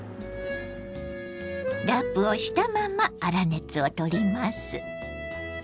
ラップをしたまま粗熱を取ります。